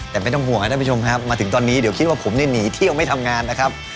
แต่ไม่ต้องห่วงครับท่านผู้ชมครับมาถึงตอนนี้เดี๋ยวคิดว่าผมเนี่ยหนีเที่ยวไม่ทำงานนะครับ